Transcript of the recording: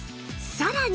さらに